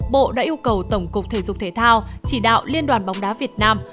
bộ đã yêu cầu tổng cục thể dục thể thao chỉ đạo liên đoàn bóng đá việt nam